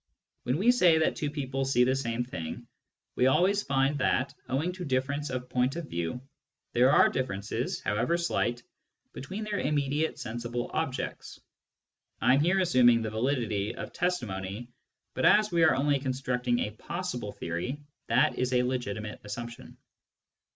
When we say that two people see the same thing, we always find that, owing to diflTerence of point of view, there are differences, how ever slight, between their immediate sensible objects. (I am here assuming the validity of testimony, but as we are only constructing a possible theory, that is a legitimate assumption.)